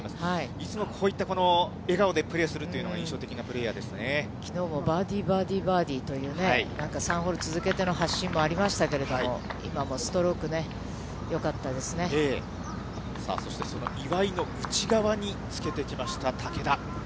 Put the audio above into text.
いつもこうやって笑顔でプレーするというのが、印象的なプレーヤきのうもバーディー、バーディー、バーディーというね、なんか３ホール続けての発進もありましたけど、今もストロークね、さあ、そしてその岩井の内側につけてきました、竹田。